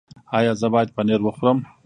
ایا زه باید پنیر وخورم؟